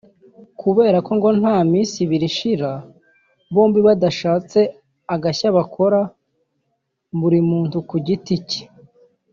kubera ko ngo nta minsi ibiri ishira bombi badashatse agashya bakora buri muntu ku giti cye